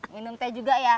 minum teh juga ya